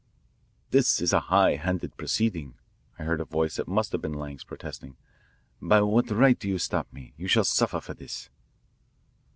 "This is a high handed proceeding," I heard a voice that must have been Lang's protesting. "By what right do you stop me? You shall suffer for this."